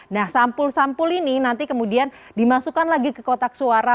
nah sampul sampul ini nanti kemudian dimasukkan lagi ke kotak suara